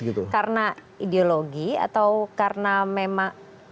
karena ideologi atau karena memang